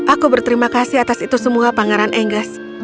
aku berterima kasih atas itu semua pangaran enggas